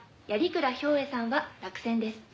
鞍兵衛さんは落選です」